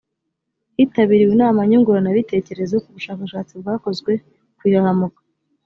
hitabiriwe inama nyunguranabitekerezo ku bushakashatsi bwakozwe ku ihahamuka